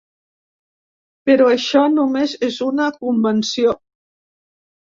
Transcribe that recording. Però això només és una convenció.